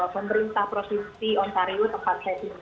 pemerintah provinsi ontario tepat seti zell